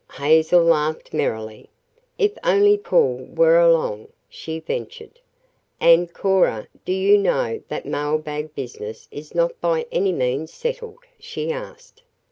Hazel laughed merrily. "If only Paul were along," she ventured. "And, Cora, do you know that mailbag business is not by any means settled?" she asked.